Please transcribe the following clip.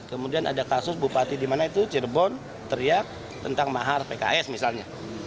kemudian ada kasus bupati di mana itu cirebon teriak tentang mahar pks misalnya